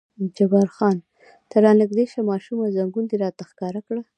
جبار خان: ته را نږدې شه ماشومه، زنګون دې راته ښکاره کړه.